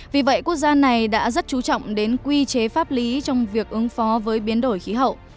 vì vậy quốc gia này đã rất chú trọng đến quy chế pháp lý trong việc ứng phó với biến đổi khí hậu